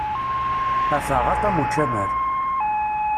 A taɣaṭ, am ucamar!